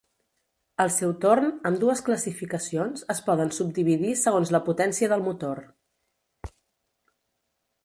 Al seu torn, ambdues classificacions es poden subdividir segons la potència del motor.